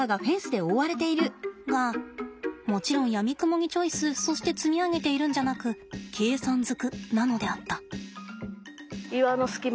がもちろんやみくもにチョイスそして積み上げているんじゃなく計算ずくなのであった。